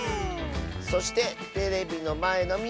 そしてテレビのまえのみんな。